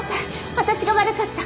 私が悪かった。